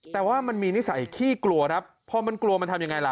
แต่ว่ามันมีนิสัยขี้กลัวครับพอมันกลัวมันทำยังไงล่ะ